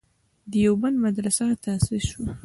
دیوبند مدرسه تاسیس شوه.